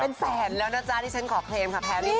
เป็นแสนแล้วนะจ๊ะที่ฉันขอเคลมค่ะแพ้ดีกว่า